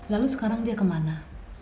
lalu sekarang dia kemana